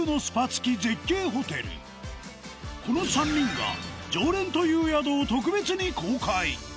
この３人が常連という宿を特別に公開！